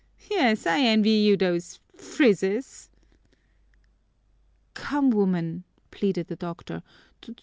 "Yes, I envy you those frizzes!" "Come, woman!" pleaded the doctor.